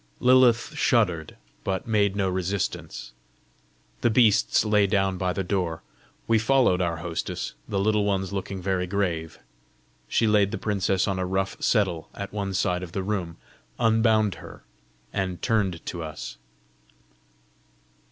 Lilith shuddered, but made no resistance. The beasts lay down by the door. We followed our hostess, the Little Ones looking very grave. She laid the princess on a rough settle at one side of the room, unbound her, and turned to us.